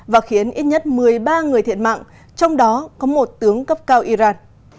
và khiến ít nhất một mươi ba người thiệt mạng trong đó có một tướng cấp cao iran